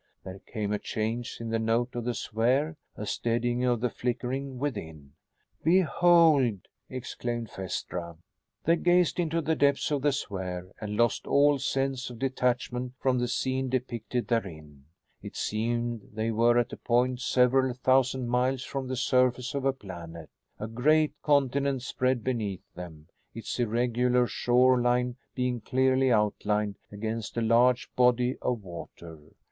There came a change in the note of the sphere, a steadying of the flickerings within. "Behold!" exclaimed Phaestra. They gazed into the depths of the sphere and lost all sense of detachment from the scene depicted therein. It seemed they were at a point several thousand miles from the surface of a planet. A great continent spread beneath them, its irregular shore line being clearly outlined against a large body of water.